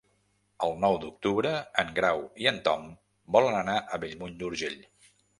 El nou d'octubre en Grau i en Tom volen anar a Bellmunt d'Urgell.